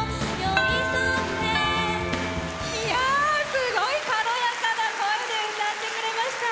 すごい軽やかな声で歌ってくれました。